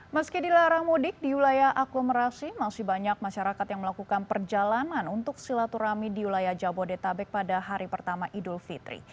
meski dilarang mudik diulaya aklumerasi masih banyak masyarakat yang melakukan perjalanan untuk silaturami diulaya jabodetabek pada hari pertama idul fitri